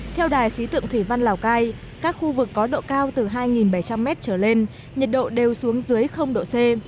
theo đài khí tượng thủy văn lào cai các khu vực có độ cao từ hai bảy trăm linh m trở lên nhiệt độ đều xuống dưới độ c